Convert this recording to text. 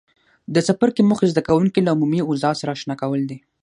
د څپرکي موخې زده کوونکي له عمومي اوضاع سره آشنا کول دي.